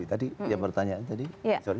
tadi yang pertanyaan tadi sorry